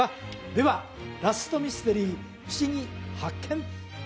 ではラストミステリーふしぎ発見！